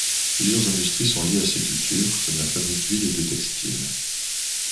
Plusieurs industries sont liées à ces cultures, comme la fabrique d'huile et de textile.